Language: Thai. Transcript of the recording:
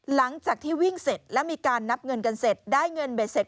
หลังจากที่วิ่งเสร็จแล้วมีการนับเงินกันเสร็จได้เงินเบ็ดเสร็จ